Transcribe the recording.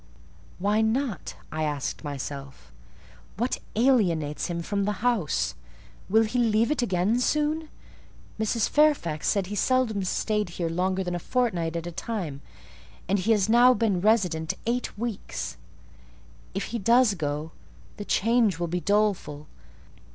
"Why not?" I asked myself. "What alienates him from the house? Will he leave it again soon? Mrs. Fairfax said he seldom stayed here longer than a fortnight at a time; and he has now been resident eight weeks. If he does go, the change will be doleful.